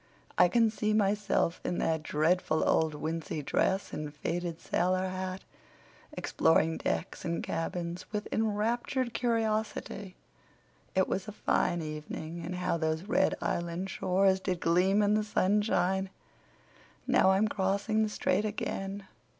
I can see myself, in that dreadful old wincey dress and faded sailor hat, exploring decks and cabins with enraptured curiosity. It was a fine evening; and how those red Island shores did gleam in the sunshine. Now I'm crossing the strait again.